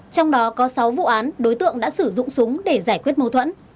trong đó có sáu vụ án đối tượng đã sử dụng súng để giải quyết mâu thuẫn